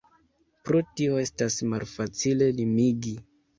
Pro tio estas malfacile limigi.